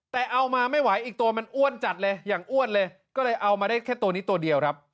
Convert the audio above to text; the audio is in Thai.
แต่เอามาไม่ไหวอีกตัวมันอ้วนจัดเลยอย่างอ้วนเลยก็เลยเอามาได้แค่ตัวนี้ตัวเดียวครับ